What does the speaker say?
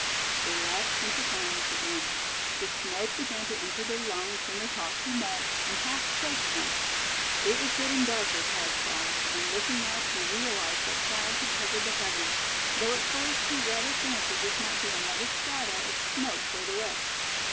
They lapsed into silence again. The smoke began to enter their lungs when they talked too much, and half choked them. It was getting darker, Thad saw; and looking up, he realized that clouds had covered the heavens; though at first he rather fancied this might be another strata of smoke further up.